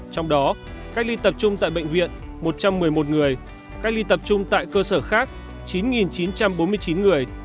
trong đó cách ly tập trung tại bệnh viện một trăm một mươi một người cách ly tập trung tại cơ sở khác chín chín trăm bốn mươi chín người